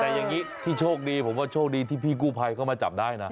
แต่อย่างนี้ที่โชคดีผมว่าโชคดีที่พี่กู้ภัยเข้ามาจับได้นะ